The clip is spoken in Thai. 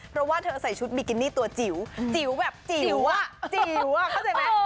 เพราะว่าเธอใส่ชุดบิกินี่ตัวจิ๋วจิ๋วแบบจิ๋วอ่ะจิ๋วอ่ะเข้าใจไหม